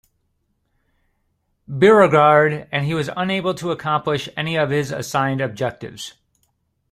Beauregard, and he was unable to accomplish any of his assigned objectives.